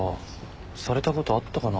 されたことあったかな？